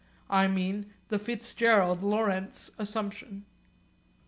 I mean the Fitzgerald Lorentz assumption.